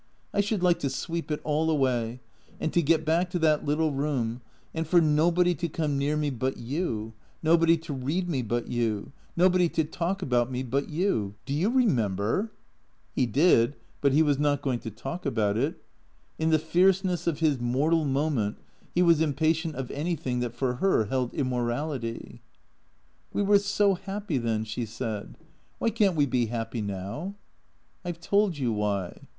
" I should like to sweep it all away, and to get back to that little room, and for nobody to come near me but you, nobody to read me but you, nobody to talk about me but you. Do you remember ?" He did, but he was not going to talk about it. In the fierce ness of his mortal moment he was impatient of everything that for her held immorality. " We were so happy then," she said. " Why can't we be happy now ?"" I 've told you why."